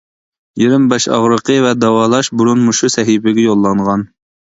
يېرىم باش ئاغرىقى ۋە داۋالاش بۇرۇن مۇشۇ سەھىپىگە يوللانغان.